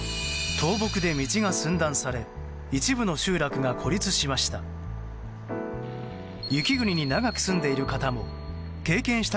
倒木で道が寸断され一部の集落が孤立しました。